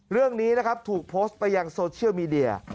เรื่องนี้นะครับถูกโพสต์ไปยังโซเชียลมีเดีย